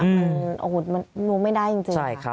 มันรู้ไม่ได้จริง